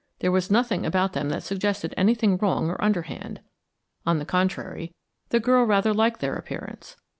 There was nothing about them that suggested anything wrong or underhand; on the contrary, the girl rather liked their appearance.